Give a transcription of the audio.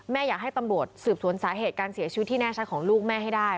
อยากให้ตำรวจสืบสวนสาเหตุการเสียชีวิตที่แน่ชัดของลูกแม่ให้ได้